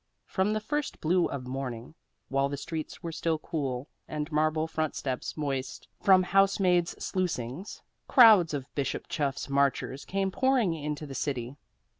From the first blue of morning, while the streets were still cool and marble front steps moist from housemaids' sluicings, crowds of Bishop Chuff's marchers came pouring into the city.